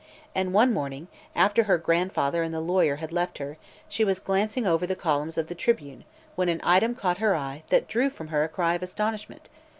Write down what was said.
And one morning, after her grandfather and the lawyer had left her, she was glancing over the columns of the Tribune when an item caught her eye that drew from her a cry of astonishment.